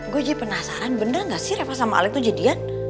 gue jadi penasaran bener gak sih reva sama alex tuh jadian